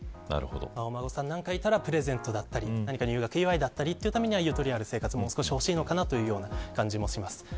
お孫さんがいたらプレゼントだったり入学祝だったりというためにゆとりある生活ももう少しほしいのかなという感じもします。